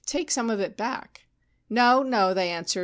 Take some of it back.' ' No, no/ they answered.